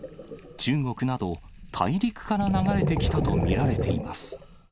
中国など、大陸から流れてきたと見られています。